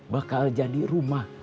bakal jadi rumah